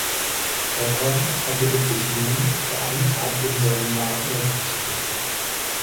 Phaethon erbittet sich nun, für einen Tag den Sonnenwagen lenken zu dürfen.